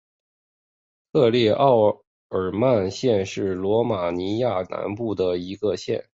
特列奥尔曼县是罗马尼亚南部的一个县。